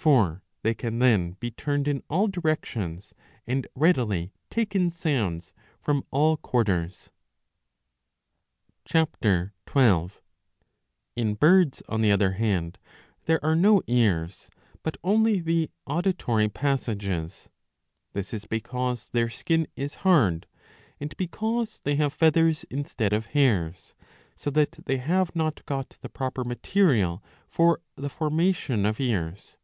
^ For they can then be turned in all directions, and readily take in sounds from all quarters. (Ch. 12.) In birds, on the other hand, there are no ears, but only the auditory passages.^ This is because their skin is hard and because they have feathers instead of hairs, so that they have not got the proper material for the formation of ears.